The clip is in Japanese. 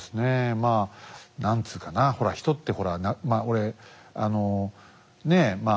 まあ何つうかなほら人ってほら俺ねえまあ